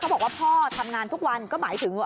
บอกว่าพ่อทำงานทุกวันก็หมายถึงว่า